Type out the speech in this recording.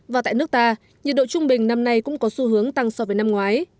và tại nước ta nhiệt độ trung bình năm nay cũng có xu hướng tăng so với năm ngoái